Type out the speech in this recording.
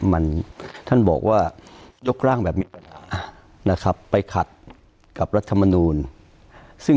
มันท่านบอกว่ายกร่างแบบนี้นะครับไปขัดกับรัฐมนูลซึ่ง